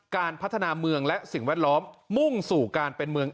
การพัฒนาเมืองและสิ่งแวดล้อม